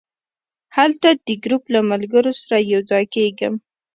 هلته د ګروپ له ملګرو سره یو ځای کېږم.